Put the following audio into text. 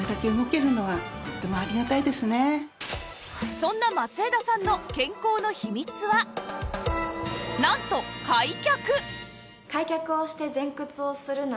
そんな松枝さんの健康の秘密はなんと開脚！